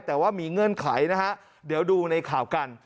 แต่ว่ามีเงื่อนไขนะฮะเดี๋ยวดูในข่าวกัน